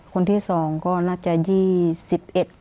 คนที่สองก็น่าจะ๒๑ปี